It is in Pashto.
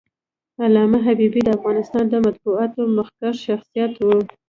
علامه حبيبي د افغانستان د مطبوعاتو مخکښ شخصیت و.